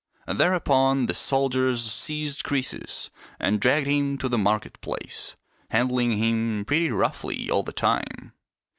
Thereupon the soldiers seized Croesus and dragged him to the market place, handling him pretty roughly all the time.